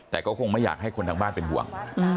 แต่ก็คงไม่อยากให้คนทางบ้านเป็นห่วง